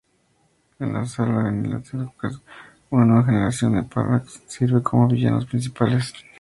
En la saga "Annihilation: Conquest", una nueva generación de Phalanx sirve como villanos principales.